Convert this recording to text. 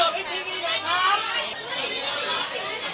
พี่บี้อยู่